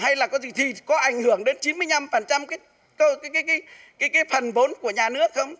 hay là có gì thì có ảnh hưởng đến chín mươi năm cái phần vốn của nhà nước không